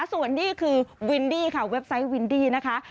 ส่วนนี้คือวินดี้ค่ะเว็บไซต์วินดี้นะคะ